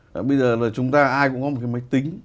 và bây giờ là chúng ta ai cũng có một cái máy tính